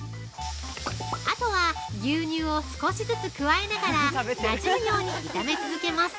◆あとは、牛乳を少しずつ加えながらなじむように炒め続けます。